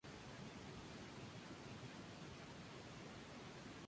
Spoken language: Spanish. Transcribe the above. Provincias oficial en el que participa anualmente.